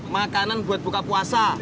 makanan buat buka puasa